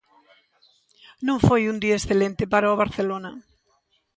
Non foi un día excelente para o Barcelona.